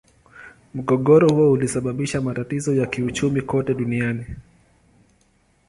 Mgogoro huo ulisababisha matatizo ya kiuchumi kote duniani.